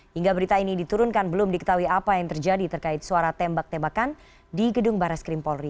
hingga berita ini diturunkan belum diketahui apa yang terjadi terkait suara tembak tembakan di gedung baras krim polri